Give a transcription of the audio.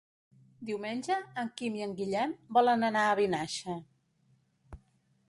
Diumenge en Quim i en Guillem volen anar a Vinaixa.